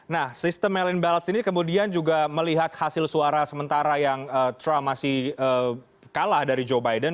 nah sistem malin balaps ini kemudian juga melihat hasil suara sementara yang trump masih kalah dari joe biden